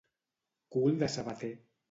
Cul de sabater.